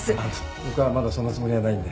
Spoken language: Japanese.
僕はまだそんなつもりはないんで。